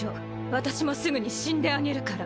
私もすぐに死んであげるから。